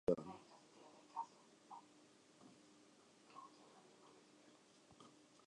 Allora gli abitanti protestarono bloccando la strada davanti alla frazione.